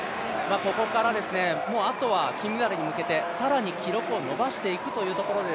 ここからあとは金メダルに向けて更に記録を伸ばしていくというところで